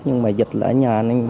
nhưng mà dịch ở nhà